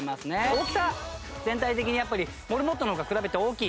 大きさ全体的にモルモットの方が比べて大きい。